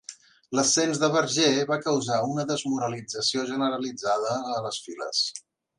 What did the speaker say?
L'ascens de Barger va causar una desmoralització generalitzada a les files.